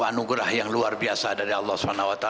anugerah yang luar biasa dari allah swt